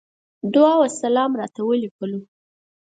دعا وسلام راته وليکلو.